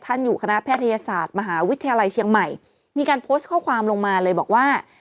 อยู่คณะแพทยศาสตร์มหาวิทยาลัยเชียงใหม่มีการโพสต์ข้อความลงมาเลยบอกว่า